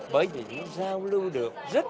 bởi vì chúng ta giao lưu được